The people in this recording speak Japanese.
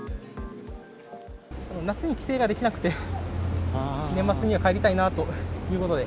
夏に帰省ができなくて、年末には帰りたいなということで。